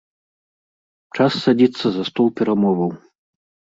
Час садзіцца за стол перамоваў.